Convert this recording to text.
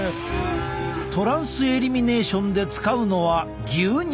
トランスエリミネーションで使うのは牛乳！